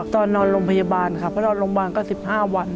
ตอนนอนโรงพยาบาลค่ะเพราะนอนโรงพยาบาลก็๑๕วัน